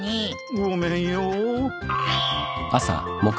ごめんよ。